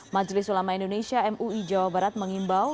majelis ulama indonesia mui jawa barat mengimbau